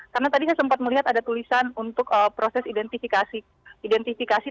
karena tadi saya sempat melihat ada tulisan untuk proses identifikasi